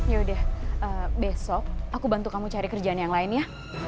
yaudah besok aku bantu kamu cari kerjaan yang lainnya